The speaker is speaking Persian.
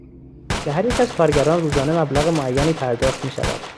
به هر یک از کارگران روزانه مبلغ معینی پرداخت میشود.